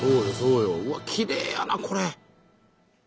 うわっきれいやなこれ！